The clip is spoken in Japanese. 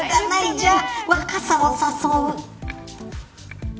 じゃあ若狭を誘う。